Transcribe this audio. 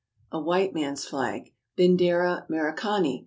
— a white man's flag. "Bindera Merikani!